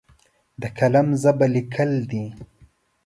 د قلم ژبه لیکل دي!